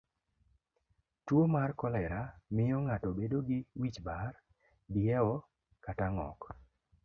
Tuo mar kolera miyo ng'ato bedo gi wich bar, diewo kod ng'ok.